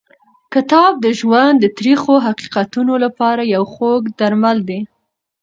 کتاب د ژوند د تریخو حقیقتونو لپاره یو خوږ درمل دی.